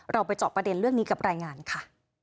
ไปเจาะประเด็นเรื่องนี้กับรายงานค่ะ